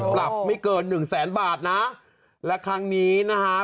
ปรับไม่เกินหนึ่งแสนบาทนะและครั้งนี้นะฮะ